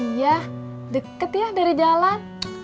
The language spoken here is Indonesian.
iya deket ya dari jalan